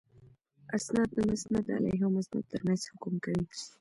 اِسناد د مسندالیه او مسند تر منځ حکم کوي.